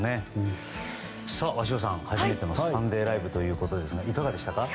鷲尾さん、初めての「サンデーＬＩＶＥ！！」でしたがいかがでしたか？